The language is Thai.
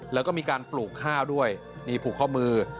แล้วก็มีการปลูกข้าวด้วยนี่ผูกข้อมือ